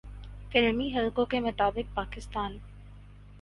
فلمی حلقوں کے مطابق پاکستان